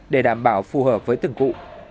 để đảm bảo phù hợp với từng cụ